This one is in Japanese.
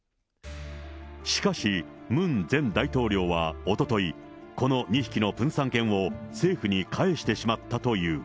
しかし、ムン前大統領はおととい、この２匹のプンサン犬を政府に返してしまったという。